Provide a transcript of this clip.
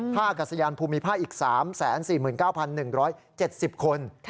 ท่ากาศยานภูมิมีผ้าอีก๓๔๙๑๗๐คน